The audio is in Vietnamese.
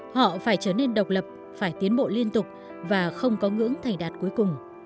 họ phải trở nên độc lập phải tiến bộ liên tục và không có ngưỡng thầy đạt cuối cùng